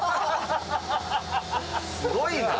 すごいな。